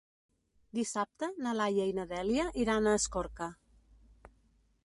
Dissabte na Laia i na Dèlia iran a Escorca.